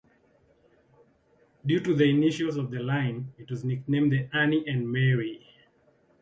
Due to the initials of the line, it was nicknamed the Annie and Mary.